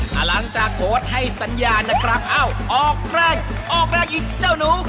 ถ้าหลังจากโค้ดให้สัญญานะครับเอ้าออกแรงออกแรงอีกเจ้าหนู